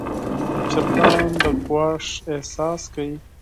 چرګان د ګواښ احساس کوي.